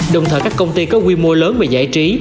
đồng thời các công ty có quy mô lớn về giải trí